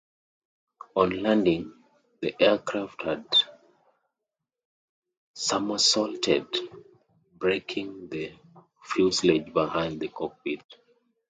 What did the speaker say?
On landing, the aircraft had somersaulted, breaking the fuselage behind the cockpit.